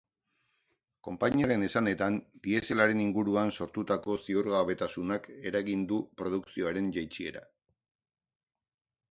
Konpainiaren esanetan, dieselaren inguruan sortutako ziurgabetasunak eragin du produkzioaren jaitsiera.